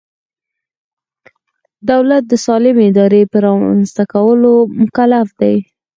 دولت د سالمې ادارې په رامنځته کولو مکلف دی.